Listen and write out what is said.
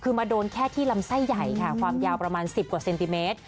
คือมาโดนแค่ที่ลำไส้ใหญ่ค่ะความยาวประมาณ๑๐กว่าเซนติเมตร